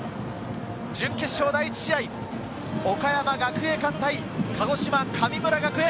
準決勝第１試合、岡山学芸館対鹿児島・神村学園。